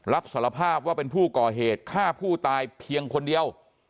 รับสารภาพว่าเป็นผู้ก่อเหตุฆ่าผู้ตายเพียงคนเดียว